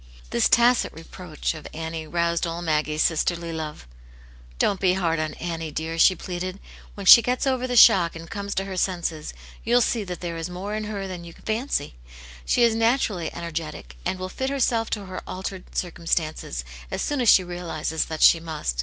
This tacit reproach of Annie roused all Maggie's sisterly love. "Don't be hard on Annie, dear," she pleaded^ ''When she gets over the shock and comes to her" 5en:jcs, youli sec that there \s mote in her than you Aunt Janets Hero. 195 fancy. She is naturally energetic, and will fit herself to her altered circumstances, as soon as she realizes that she must.